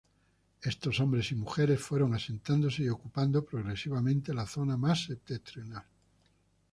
Estos hombres y mujeres fueron asentándose y ocupando progresivamente la zona más septentrional.